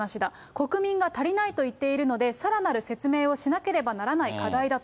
国民が足りないと言っているので、さらなる説明をしなければならない課題だと。